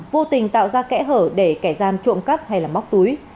vô tình tạo ra kẽ hở để kẻ gian trộm cắp hay móc túi